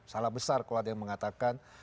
salah besar kalau ada yang mengatakan